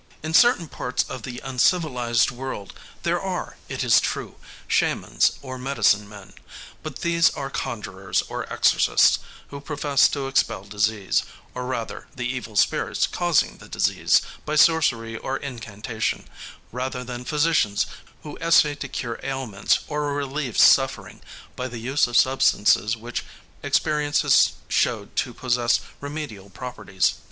In certain parts of the uncivilized world there are, it is true, shamans or medicine men; but these are conjurers or exorcists, who profess to expel disease, or rather the evil spirits causing the disease, by sorcery or incantation, rather than physicians who essay to cure ailments or relieve suffering by the use of substances which experience has showed to possess remedial properties.